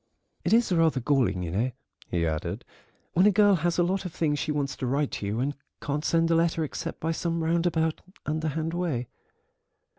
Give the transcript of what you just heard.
"It is rather galling, you know," he added, "when a girl has a lot of things she wants to write to you and can't send a letter except by some roundabout, underhand way."